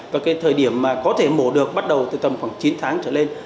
và cái thời điểm mà có thể mổ được bắt đầu từ tầm khoảng chín tháng trở lên